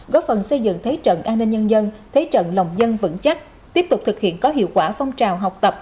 góp phần xây dựng thế trận an ninh nhân dân thế trận lòng dân vững chắc tiếp tục thực hiện có hiệu quả phong trào học tập